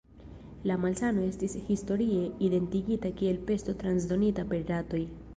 La malsano estis historie identigita kiel pesto transdonita per ratoj.